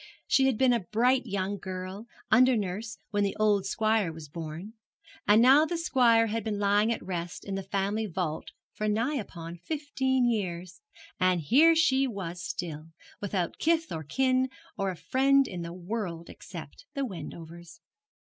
She had been a bright young girl, under nurse when the old squire was born; and now the squire had been lying at rest in the family vault for nigh upon fifteen years, and here she was still, without kith or kin, or a friend in the world except the Wendovers.